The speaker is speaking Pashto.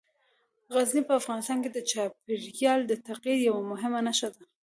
غزني په افغانستان کې د چاپېریال د تغیر یوه مهمه نښه ده.